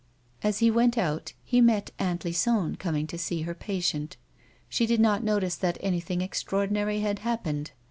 As he went out he met Aunt Lison coming to see her patient. She did not notice that anything extraordinary had happened.